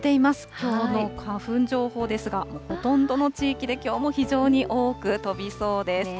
きょうの花粉情報ですが、ほとんどの地域できょうも非常に多く飛びそうです。